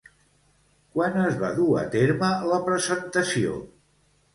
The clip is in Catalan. Quan es va dur a terme la presentació?